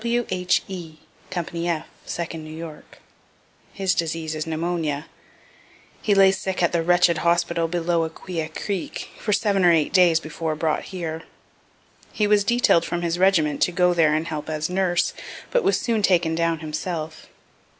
W.H.E., Co. F, 2nd N.Y. His disease is pneumonia. He lay sick at the wretched hospital below Aquia creek, for seven or eight days before brought here. He was detail'd from his regiment to go there and help as nurse, but was soon taken down himself.